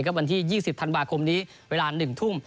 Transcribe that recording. วันที่๒๐ธันวาคมนี้เวลา๑ทุ่ม